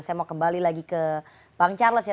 saya mau kembali lagi ke bang charles ya